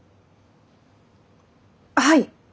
はい！